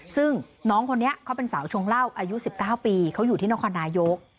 ซึ่งน้องคนนี้เขาเป็นสาวชงเหล้าอายุ๑๙ปีเขาอยู่ที่นครนายก